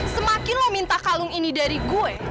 semakin lo minta kalung ini dari gue